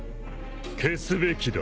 消すべきだ。